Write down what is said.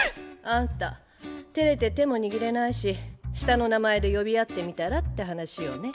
あんたてれて手も握れないし下の名前で呼び合ってみたらって話をね。